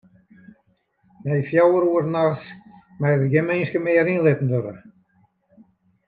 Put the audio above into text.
Nei fjouwer oere nachts meie der gjin minsken mear yn litten wurde.